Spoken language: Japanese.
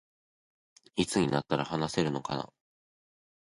いつになったら話せるのかな